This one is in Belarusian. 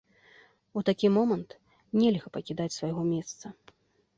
У такі момант нельга пакідаць свайго месца.